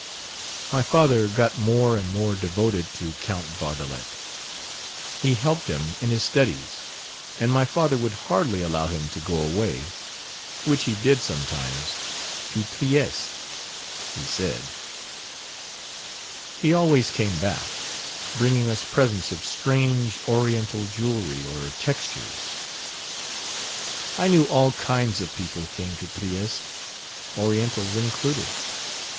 My father got more and more devoted to Count Vardalek. He helped him in his studies: and my father would hardly allow him to go away, which he did sometimes to Trieste, he said: he always came back, bringing us presents of strange Oriental jewellery or textures. I knew all kinds of people came to Trieste, Orientals included.